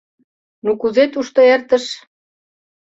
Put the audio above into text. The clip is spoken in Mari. — Ну кузе тушто эртыш?